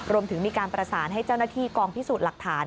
รวมถึงมีการประสานให้เจ้าหน้าที่กองพิสูจน์หลักฐาน